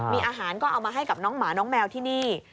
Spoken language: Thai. มีอาหารก็เอามาให้กับน้องหมาน้องแมวที่นี่